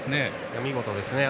見事ですね。